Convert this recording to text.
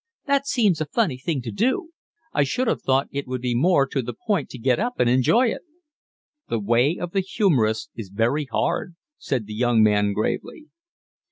"That seems a funny thing to do, I should have thought it would be more to the point to get up and enjoy it." "The way of the humorist is very hard," said the young man gravely.